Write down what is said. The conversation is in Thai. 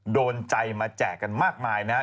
โดนใจมาแจกกันมากมายนะครับ